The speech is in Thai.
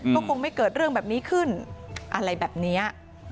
ก็คงไม่เกิดเรื่องแบบนี้ขึ้นอะไรแบบนี้